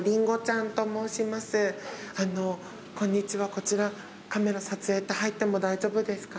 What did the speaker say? こちらカメラ撮影って入っても大丈夫ですか？